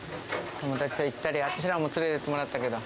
友達と行ったり、私らも連れていってもらったけど。